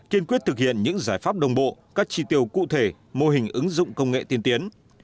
kiên quyết thực hiện những giải pháp đồng bộ các chi tiêu cụ thể mô hình ứng dụng công nghệ tiên tiến